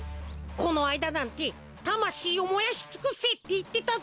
このあいだなんて「たましいをもやしつくせ！」っていってたぜ。